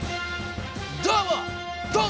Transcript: どうも！